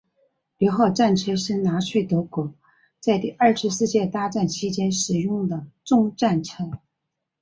六号战车是纳粹德国在第二次世界大战期间所使用的重战车。